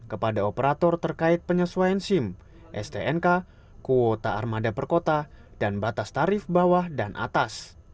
kepada operator terkait penyesuaian sim stnk kuota armada per kota dan batas tarif bawah dan atas